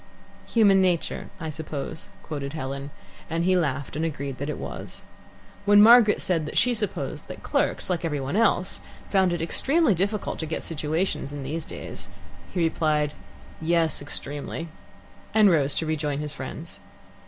"'Human nature,' I suppose," quoted Helen, and he laughed and agreed that it was. When Margaret said that she supposed that clerks, like every one else, found it extremely difficult to get situations in these days, he replied, "Yes, extremely," and rose to rejoin his friends.